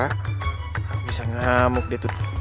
aku bisa ngamuk deh tuh